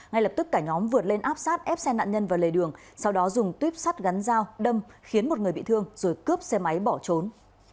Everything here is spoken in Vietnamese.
ngay lập tức cả nhóm vượt lên áp sát ép xe nạn nhân vào lề đường sau đó dùng tuyếp sắt gắn dao đâm khiến một người bị thương rồi cướp xe máy bỏ trốn